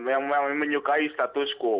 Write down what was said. yang menyukai status quo